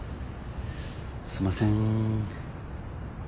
すんません。